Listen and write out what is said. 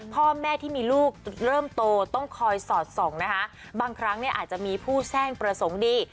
พ่อแม่ที่มีลูกเริ่มโตต้องคอยสอดส่องนะคะบางครั้งเนี่ยอาจจะมีผู้แทร่งประสงค์ดี